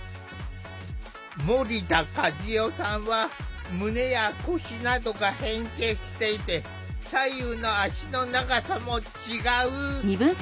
森田かずよさんは胸や腰などが変形していて左右の足の長さも違う。